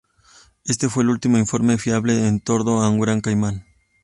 Este fue el último informe fiable de un tordo en Gran Caimán.